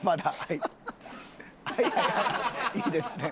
いいですね。